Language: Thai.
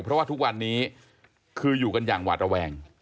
เพราะว่าทุกวันนี้คืออยู่กันอย่างหวาดระแวง